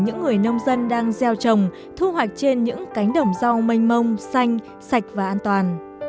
nông dân đang gieo trồng thu hoạch trên những cánh đồng rau mênh mông xanh sạch và an toàn